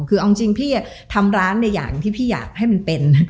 คือเอาจริงพี่ทำร้านในอย่างที่พี่อยากให้มันเป็น